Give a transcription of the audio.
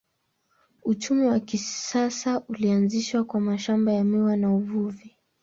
Uchumi wa kisasa ulianzishwa kwa mashamba ya miwa na uvuvi.